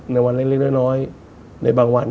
ในวันเล็กน้อยในบางวัน